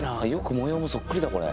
模様もそっくりだこれ。